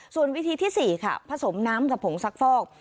ส่วนวิธีที่๔ค่ะผสมน้ำกับผงซักฟอก